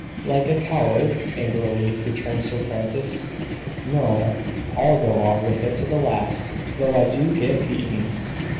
"Like a coward?" angrily returned Sir Francis. "No, I'll go on with it to the last, though I do get beaten."